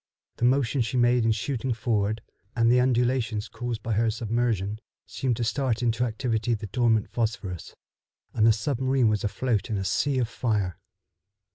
The motion she made in shooting forward, and the undulations caused by her submersion, seemed to start into activity the dormant phosphorus, and the submarine was afloat in a sea of fire.